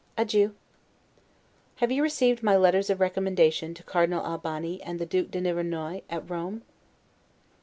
Adieu. Have you received my letters of recommendation to Cardinal Albani and the Duke de Nivernois, at Rome?